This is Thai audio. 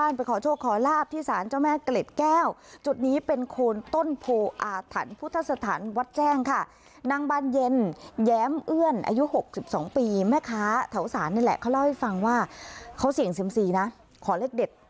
นี่แหละเขาเล่าให้ฟังว่าเขาเสี่ยงเซียมสีนะขอเลขเด็ด